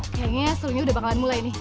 kayaknya serunya udah bakalan mulai nih